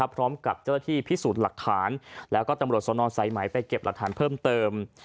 พร้อมกับเจ้าหน้าที่พิสูจน์หลักฐานแล้วก็ตำรวจสนสายไหมไปเก็บหลักฐานเพิ่มเติม